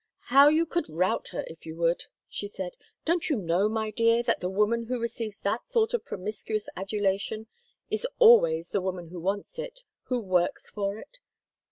"How you could rout her if you would!" she said. "Don't you know, my dear, that the woman who receives that sort of promiscuous adulation is always the woman who wants it, who works for it?